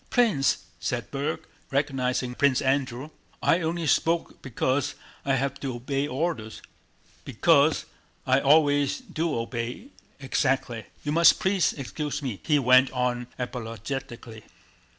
"Prince," said Berg, recognizing Prince Andrew, "I only spoke because I have to obey orders, because I always do obey exactly.... You must please excuse me," he went on apologetically.